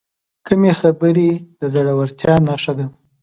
کمې خبرې، د زړورتیا نښه ده.